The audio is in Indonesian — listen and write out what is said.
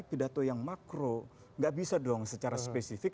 pidato yang makro gak bisa dong secara spesifik